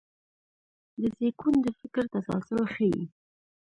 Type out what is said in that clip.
دا زېږون د فکر تسلسل ښيي.